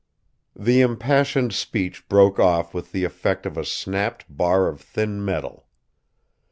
_" The impassioned speech broke off with the effect of a snapped bar of thin metal.